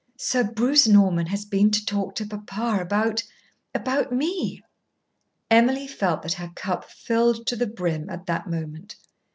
Sir Bruce Norman has been to talk to papa about about me." Emily felt that her cup filled to the brim at the moment.